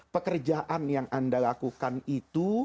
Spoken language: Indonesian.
pekerjaan yang anda lakukan itu